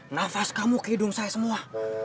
nafas kamu ke hidung saya semua